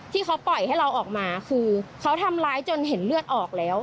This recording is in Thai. ที่เขาปล่อยให้เราออกมาคือเขาทำร้ายจนเห็นเลือดออกแล้ว